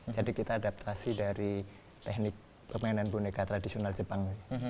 jadi kita adaptasi dari teknik pemainan boneka tradisional jepang